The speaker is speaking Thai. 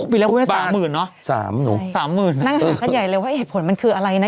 ปีแรกพูดว่า๓๐๐๐๐บาทนั่งหาขั้นใหญ่เลยว่าเหตุผลมันคืออะไรนะ